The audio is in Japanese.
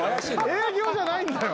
営業じゃないんだよ。